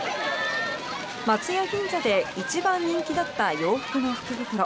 松屋銀座で一番人気だった洋服の福袋。